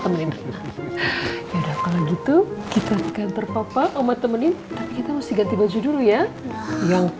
temenin kalau gitu kita ganteng papa omat temenin kita masih ganti baju dulu ya yang